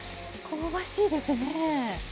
香ばしいですね。